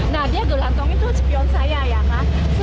nah dia gelantong itu spion saya ya